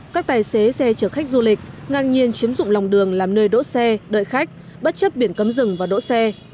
các tài xế xe chở khách du lịch ngang nhiên chiếm dụng lòng đường làm nơi đỗ xe đợi khách bất chấp biển cấm rừng và đỗ xe